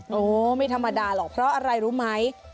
โอ้ไม่ธรรมดาหรอกเพราะอะไรรู้ไหม